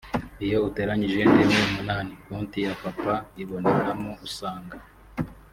Iyo uteranyije indimi umunani konti ya Papa ibonekamo usanga